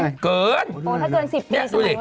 ถ้าเกิน๑๐ปีจะหมดไว้รู้